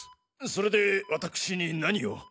それでわたくしに何を。